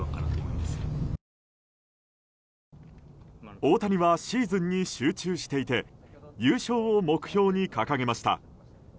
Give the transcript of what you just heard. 大谷はシーズンに集中していて優勝を目標に掲げました。